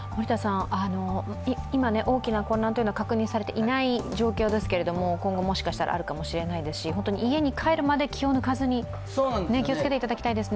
今、大きな混乱は確認されていない状況ですけれども、今後もしかしたらあるかもしれませんし家に帰るまで気を抜かずに気を付けていただきたいですね。